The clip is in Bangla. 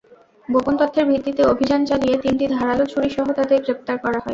গোপন তথ্যের ভিত্তিতে অভিযান চালিয়ে তিনটি ধারালো ছুরিসহ তাঁদের গ্রেপ্তার করা হয়।